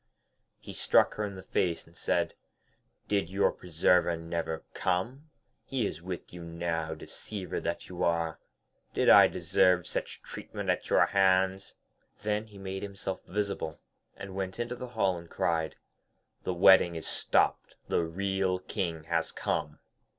He struck her in the face, and said, 'Did your preserver never come? He is with you now, deceiver that you are. Did I deserve such treatment at your hands?' Then he made himself visible, and went into the hall, and cried, 'The wedding is stopped, the real King has come.'